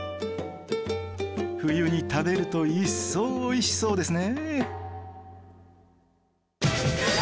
冬に食べると一層美味しそうですね